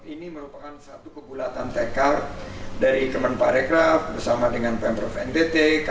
ini merupakan satu kegulatan tekar dari kementerian pariwisata jakarta bersama dengan pemprov ntt klhk